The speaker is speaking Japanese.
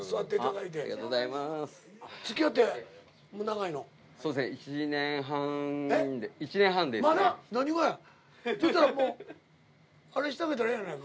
いうたらもうあれしてあげたらええやないか。